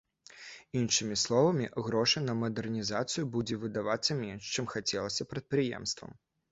Іншымі словамі, грошай на мадэрнізацыю будзе выдавацца менш, чым хацелася прадпрыемствам.